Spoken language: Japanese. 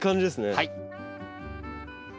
はい！